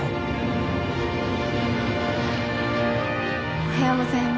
おはようございます。